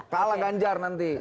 kalah ganjar nanti